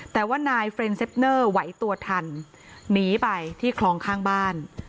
แต่ว่านายเฟรนเซฟเนอร์ไหวตัวทันหนีไปที่คลองข้างบ้าน